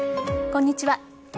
こんにちは。